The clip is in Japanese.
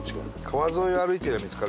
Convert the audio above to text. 川沿いを歩いてりゃ見つかる？